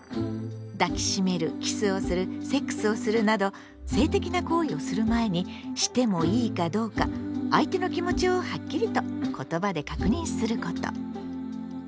抱き締めるキスをするセックスをするなど性的な行為をする前にしてもいいかどうか相手の気持ちをはっきりとことばで確認すること。